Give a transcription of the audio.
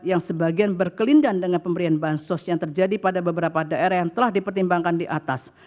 yang sebagian berkelindan dengan pemberian bansos yang terjadi pada beberapa daerah yang telah dipertimbangkan di atas